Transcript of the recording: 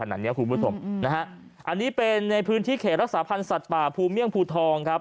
อันนี้เป็นในพื้นที่เขตรักษาพันธ์สัตว์ป่าภูเมี่ยงภูทองครับ